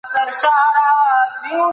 تاسو به له بې ځایه ویرې خلاص پاته کیږئ.